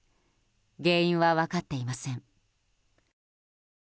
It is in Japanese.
原因は分かっていません。